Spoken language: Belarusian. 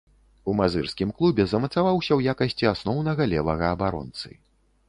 У мазырскім клубе замацаваўся ў якасці асноўнага левага абаронцы.